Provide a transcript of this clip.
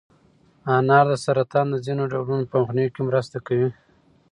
انار د سرطان د ځینو ډولونو په مخنیوي کې مرسته کوي.